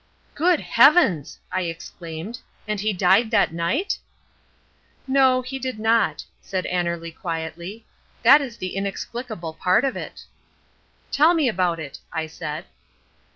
"Good heavens!" I exclaimed, "and he died that night?" "No, he did not," said Annerly quietly, "that is the inexplicable part of it." "Tell me about it," I said.